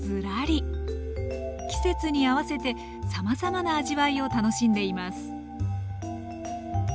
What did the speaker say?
季節に合わせてさまざまな味わいを楽しんでいます